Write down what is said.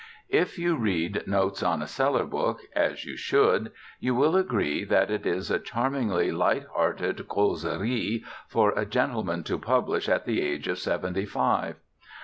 If you read Notes on a Cellar Book, as you should, you will agree that it is a charmingly light hearted causerie for a gentleman to publish at the age of seventy five.